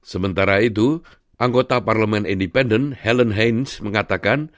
sementara itu anggota parlemen independen helen heinz mengatakan